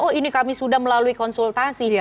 oh ini kami sudah melalui konsultasi